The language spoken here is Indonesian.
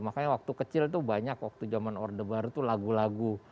makanya waktu kecil tuh banyak waktu zaman orde baru tuh lagu lagu